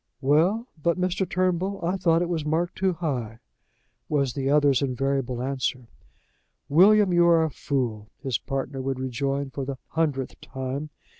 "Well, but, Mr. Turnbull, I thought it was marked too high," was the other's invariable answer. "William, you are a fool," his partner would rejoin for the hundredth time.